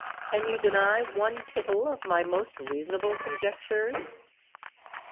Can you deny one tittle of my most reasonable conjectures?"